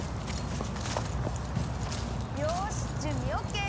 よしじゅんびオッケー！